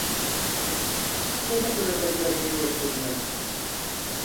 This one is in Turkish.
Seni burada görmeyi beklemiyordum.